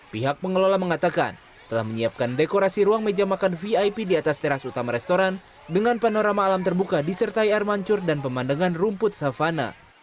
pihak pengelola mengatakan telah menyiapkan dekorasi ruang meja makan vip di atas teras utama restoran dengan panorama alam terbuka disertai air mancur dan pemandangan rumput savana